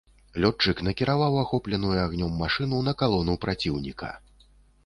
Лётчык накіраваў ахопленую агнём машыну на калону праціўніка.